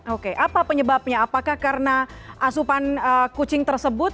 oke apa penyebabnya apakah karena asupan kucing tersebut